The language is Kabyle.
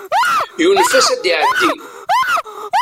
Yunef-as ad iɛeddi.